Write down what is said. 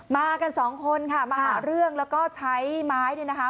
มากันสองคนค่ะมาหาเรื่องแล้วก็ใช้ไม้เนี่ยนะคะ